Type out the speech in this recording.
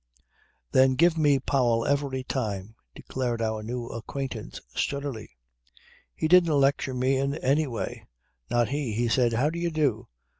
"Then give me Powell every time," declared our new acquaintance sturdily. "He didn't lecture me in any way. Not he. He said: 'How do you do?'